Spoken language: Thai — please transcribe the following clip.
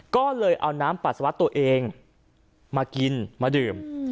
ก็เลยเอาน้ำปัสสาวะตัวเองมากินมาดื่ม